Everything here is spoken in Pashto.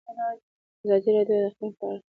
ازادي راډیو د اقلیم په اړه د ښځو غږ ته ځای ورکړی.